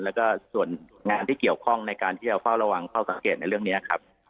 แล้วก็ส่วนงานที่เกี่ยวข้องในการที่จะเฝ้าระวังเฝ้าสังเกตในเรื่องนี้ครับ